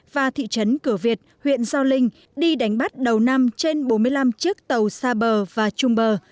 và thị trấn cửa việt huyện gio linh đi đánh bắt đầu năm trên bốn mươi năm chiếc tàu xa bờ và trung bờ